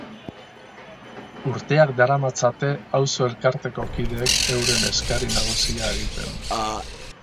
Urteak daramatzate auzo elkarteko kideek euren eskari nagusia egiten.